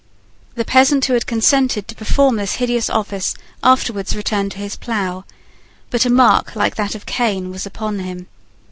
The peasant who had consented to perform this hideous office afterwards returned to his plough. But a mark like that of Cain was upon him.